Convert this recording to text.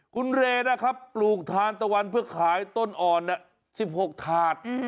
คุณเรนะครับปลูกทานตะวันเพื่อขายต้นอ่อน๑๖ถาด